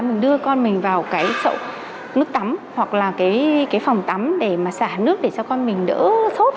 mình đưa con mình vào cái mức tắm hoặc là cái phòng tắm để mà xả nước để cho con mình đỡ sốt